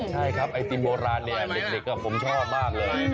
ใช่ครับไอติมโบราณเนี่ยเด็กผมชอบมากเลย